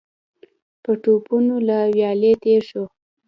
په ټوپونو له ويالې تېر شو.